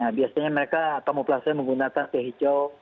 nah biasanya mereka kamuflase menggunakan teh hijau